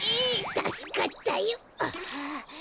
たすかったよ。